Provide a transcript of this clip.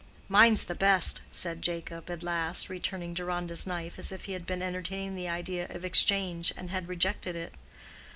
"Mine's the best," said Jacob, at last, returning Deronda's knife as if he had been entertaining the idea of exchange and had rejected it.